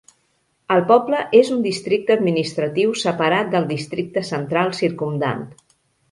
El poble és un districte administratiu separat del districte central circumdant.